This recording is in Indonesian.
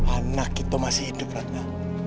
anak itu masih hidup ratna